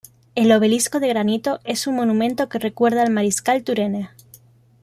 El obelisco de granito es un monumento que recuerda al mariscal Turenne.